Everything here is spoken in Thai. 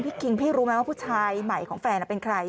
คิงพี่รู้ไหมว่าผู้ชายใหม่ของแฟนเป็นใคร